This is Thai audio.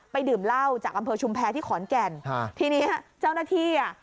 ดื่มเหล้าจากอำเภอชุมแพรที่ขอนแก่นฮะทีเนี้ยเจ้าหน้าที่อ่ะ